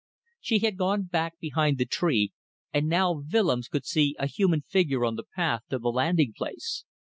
She had gone back behind the tree, and now Willems could see a human figure on the path to the landing place.